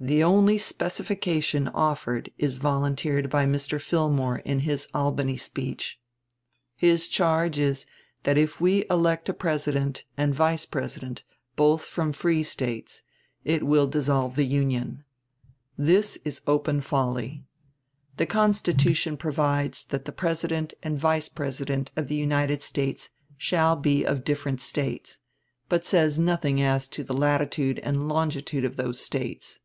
The only specification offered is volunteered by Mr. Fillmore in his Albany speech. His charge is that if we elect a President and Vice President both from the free States it will dissolve the Union. This is open folly. The Constitution provides that the President and Vice President of the United States shall be of different States; but says nothing as to the latitude and longitude of those States.